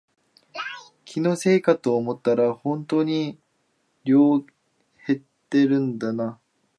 気のせいかと思ったらほんとに量減ってるんだな